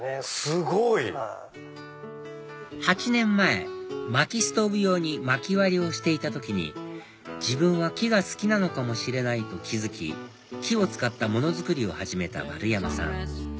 すごい！８年前まきストーブ用にまき割りをしていた時に自分は木が好きなのかもしれないと気付き木を使った物作りを始めた丸山さん